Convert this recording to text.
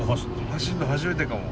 走んの初めてかも。